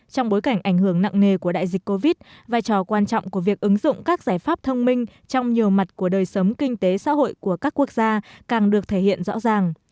trong bối cảnh ảnh hưởng nặng nề của đại dịch covid vai trò quan trọng của việc ứng dụng các giải pháp thông minh trong nhiều mặt của đời sống kinh tế xã hội của các quốc gia càng được thể hiện rõ ràng